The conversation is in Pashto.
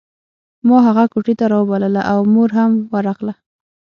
ما هغه کوټې ته راوبلله او مور هم ورغله